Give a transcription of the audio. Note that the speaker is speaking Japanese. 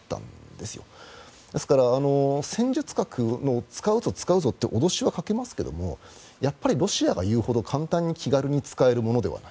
ですから、戦術核を使うぞ、使うぞって脅しをかけますけれどもやっぱりロシアが言うほど簡単に気軽に使えるものではない。